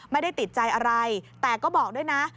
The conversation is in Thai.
ไม่ได้ติดใจอะไรแต่ก็บอกด้วยนะ